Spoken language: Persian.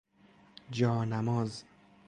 جا نماز